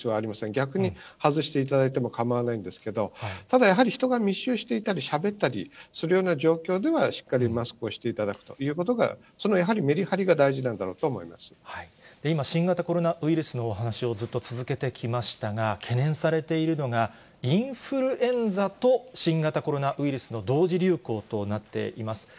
逆に外していただいても構わないんですけれども、ただ、やはり人が密集していたりしゃべったりするような状況ではしっかりマスクをしていただくということが、そのやはりメリハリが大事今、新型コロナウイルスのお話をずっと続けてきましたが、懸念されているのが、インフルエンザと新型コロナウイルスの同時流行となっています。